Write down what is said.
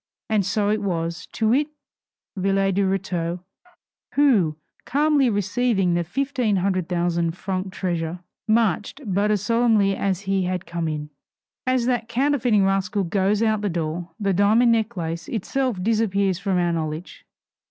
And so it was; to wit, Villette de Rétaux, who, calmly receiving the fifteen hundred thousand franc treasure, marched but as solemnly as he had come in. As that counterfeiting rascal goes out of the door, the diamond necklace itself disappears from our knowledge.